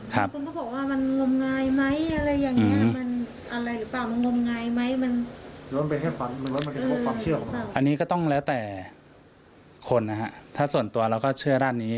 คุณก็บอกว่ามันลมงายไหมอะไรอย่างนี้